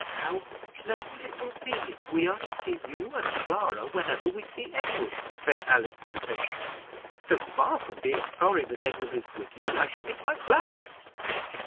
"How pleasant it will be, if we are to see you and Clara whenever we see Edward!" said Alice to Patience. "So far from being sorry that Edward is with you, I shall be quite glad of it."